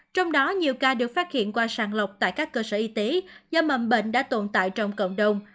trong đó nhiều ca được phát hiện qua sàng lọc tại các cơ sở y tế do mầm bệnh đã tồn tại trong cộng đồng